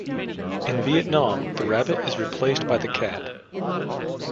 In Vietnam the Rabbit is replaced by the cat.